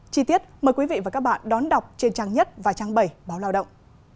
chi tiết mời quý vị và các bạn đón đọc trên trang nhất và trang bảy báo lao động